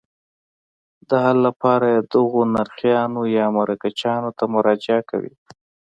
د حل لپاره یې دغو نرخیانو یا مرکچیانو ته مراجعه کوي.